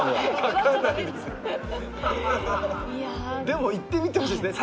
でも行ってみてほしいですね。